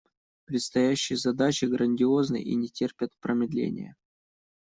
Предстоящие задачи грандиозны и не терпят промедления.